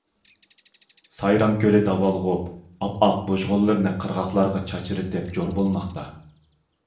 سايرام كۆلى داۋالغۇپ ئاپئاق بۇژغۇنلىرىنى قىرغاقلارغا چاچرىتىپ جور بولماقتا.